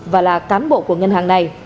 và là cán bộ của ngân hàng này